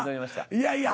いやいや。